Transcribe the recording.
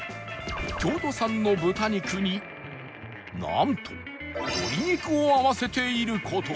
京都産の豚肉になんと鶏肉を合わせている事